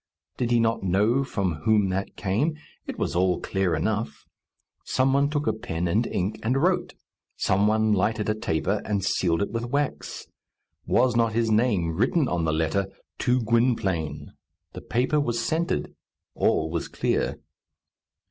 Did he not know from whom that came? It was all clear enough. Some one took a pen and ink, and wrote. Some one lighted a taper, and sealed it with wax. Was not his name written on the letter "To Gwynplaine?" The paper was scented. All was clear.